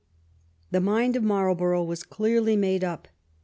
The mind of Marlborough was clearly made up.